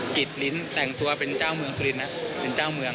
จิตลิ้นแต่งตัวเป็นเจ้าเมืองสุรินนะเป็นเจ้าเมือง